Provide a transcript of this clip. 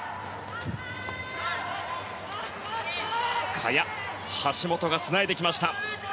萱、橋本がつないできました。